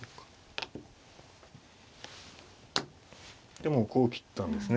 でもうこう切ったんですね。